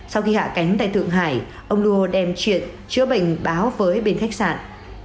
sau khi hạ cánh tại thượng hải ông đua đem chuyện chữa bệnh báo với bên khách sạn